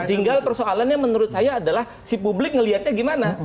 tinggal persoalannya menurut saya adalah si publik melihatnya gimana